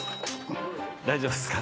大丈夫ですか？